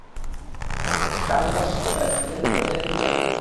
গ্রামীণ জনগোষ্ঠী শিক্ষিত হলে তারা নিজেদের ভাগ্য নিজেরাই তৈরি করে নিতে পারবে।